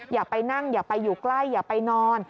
อย่าไปนั่งอย่าไปอยู่ใกล้อย่าไปนอน